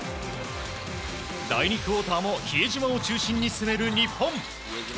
第２クオーターも比江島を中心に攻める日本。